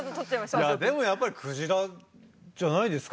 いやでもやっぱりクジラじゃないですか？